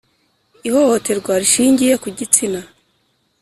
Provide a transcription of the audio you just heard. ihohoterwa rishingiye ku gitsina